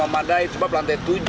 cuma memadai coba pelantai tujuh